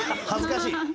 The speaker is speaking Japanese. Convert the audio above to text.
恥ずかしい？